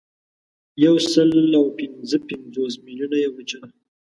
یوسلاوپینځهپنځوس میلیونه یې وچه ده.